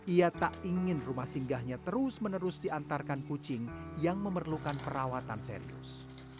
ia tak ingin rumah singgahnya terus menerus diantarkan kucing yang memerlukan perawatan serius